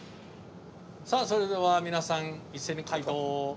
さあそれでは皆さん一斉に解答オープン！